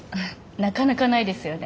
なかなかないですよね。